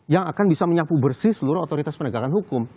yang akan bisa menyapu bersih seluruh otoritas penegakan hukum